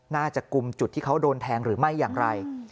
น่าจะกลุ่มจุดที่เขาโดนแทงหรือไม่อย่างไร